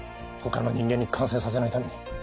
他の人間に感染させないために。